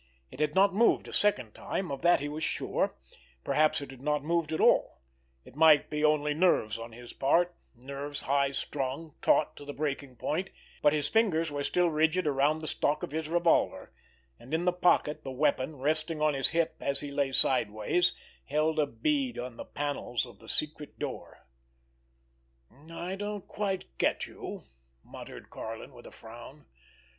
It had not moved a second time, of that he was sure; perhaps it had not moved at all, it might be only nerves on his part, nerves high strung, taut to the breaking point, but his fingers were still rigid around the stock of his revolver, and, in the pocket, the weapon, resting on his hip as he lay sideways, held a bead on the panels of the secret door. "I don't quite get you," muttered Karlin, with a frown.